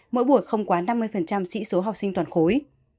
mỗi buổi không quá năm mươi sĩ số học sinh toàn khối